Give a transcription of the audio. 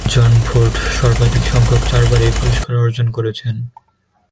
জন Ford সর্বাধিক সংখ্যক চারবার এই পুরস্কার অর্জন করেছেন।